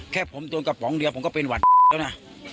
แค่ผมโดนกระป๋องเดียวผมก็เป็นหวัดแล้วนะ